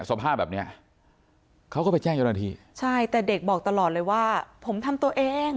สภาพแบบเนี้ยเขาก็ไปแจ้งเจ้าหน้าที่ใช่แต่เด็กบอกตลอดเลยว่าผมทำตัวเอง